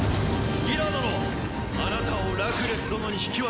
ギラ殿あなたをラクレス殿に引き渡します。